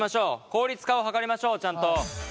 効率化を図りましょうちゃんと。